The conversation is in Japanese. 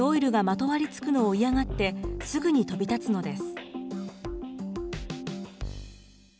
蚊は脚にオイルがまとわりつくのを嫌がって、すぐに飛び立つのです。